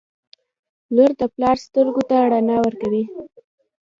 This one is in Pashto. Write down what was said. • لور د پلار سترګو ته رڼا ورکوي.